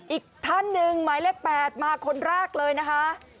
อีกท่านหนึ่งหมายเลข๘มาคนแรกเลยนะคะ